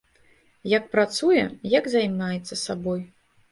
Як працуе, як займаецца сабой.